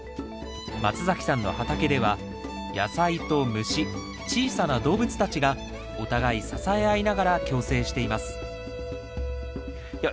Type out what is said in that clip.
松崎さんの畑では野菜と虫小さな動物たちがお互い支え合いながら共生していますいや